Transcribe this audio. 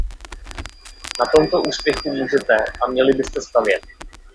Na tomto úspěchu můžete a měli byste stavět.